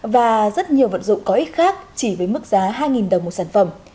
và rất nhiều vật dụng có ích khác chỉ với mức giá hai đồng một sản phẩm